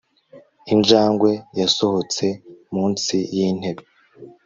injangwe yasohotse munsi yintebe